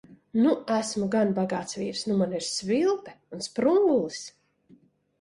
Nu esmu gan bagāts vīrs. Nu man ir svilpe un sprungulis!